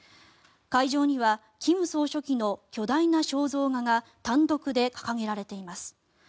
会場には金総書記の巨大な肖像画が単独で掲げられています。